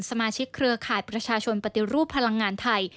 เครือข่ายประชาชนปฏิรูปพลังงานไทย